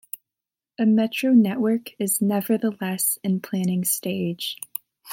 A metro network is nevertheless in planning stage.